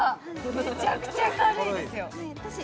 めちゃくちゃ軽いですよだし